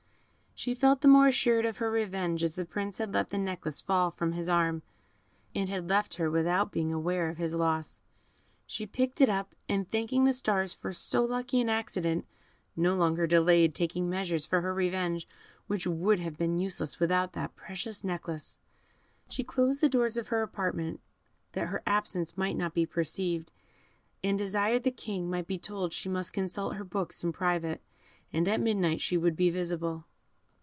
She felt the more assured of her revenge as the Prince had let the necklace fall from his arm, and had left her without being aware of his loss. She picked it up, and thanking the stars for so lucky an accident, no longer delayed taking measures for her revenge, which would have been useless without that precious necklace. She closed the doors of her apartment, that her absence might not be perceived, and desired the King might be told she must consult her books in private, and at midnight she would be visible.